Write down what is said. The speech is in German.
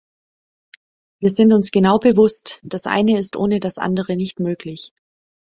Wir sind uns genau bewusst, das eine ist ohne das andere nicht möglich.